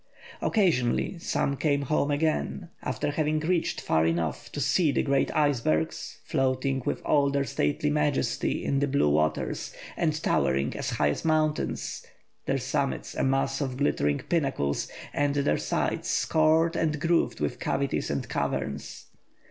Occasionally some came home again, after having reached far enough to see the great icebergs, floating with all their stately majesty in the blue waters and towering as high as mountains, their summits a mass of glittering pinnacles and their sides scored and grooved with cavities and caverns.